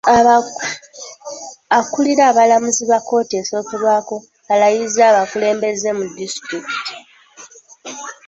Akulira abalamuzi ba kkooti esookerwako alayizza abakulembeze mu disitulikiti.